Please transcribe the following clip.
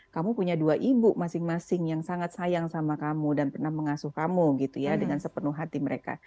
kamu punya dua ibu masing masing yang sangat sayang sama kamu dan pernah mengasuh kamu gitu ya dengan sepenuh hati mereka